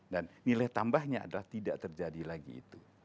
dan nilai tambahnya adalah tidak terjadi lagi itu